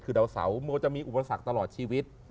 คือดาวเสาโมจะมีอุปสรรคตลอดชีวิต